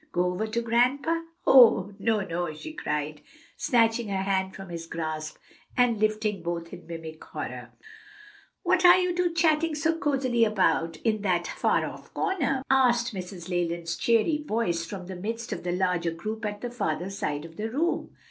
go over to grandpa?" "Oh, no, no!" she cried, snatching her hand from his grasp, and lifting both in mimic horror. "What are you two chatting so cosily about in that far off corner?" asked Mrs. Leland's cheery voice from the midst of the larger group at the farther side of the room.